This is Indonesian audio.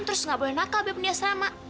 terus gak boleh nakal di asrama